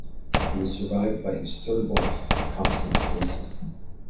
He was survived by his third wife, Constance Gleason.